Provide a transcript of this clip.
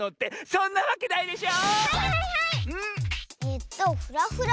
そんなわけないでしょ！